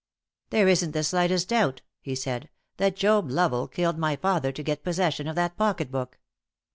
"There isn't the slightest doubt," he said, "that Job Lovell killed my father to get possession of that pocket book.